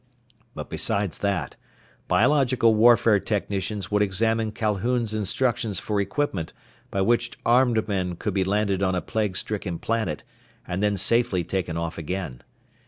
But besides that, biological warfare technicians would examine Calhoun's instructions for equipment by which armed men could be landed on a plague stricken planet and then safely taken off again.